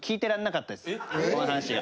この話が。